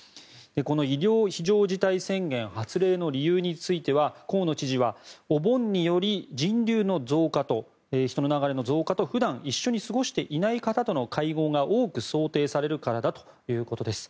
この医療非常事態宣言発令の理由については河野知事はお盆により人流の増加と人の流れの増加と普段一緒に過ごしていない方との会合が多く想定されるからだということです。